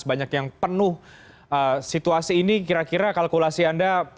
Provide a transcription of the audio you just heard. banyak yang penuh situasi ini kira kira kalkulasi anda